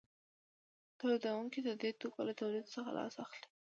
تولیدونکي د دې توکو له تولید څخه لاس اخلي